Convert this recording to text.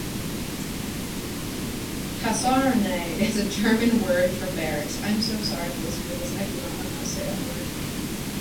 Kaserne is a German word for barracks.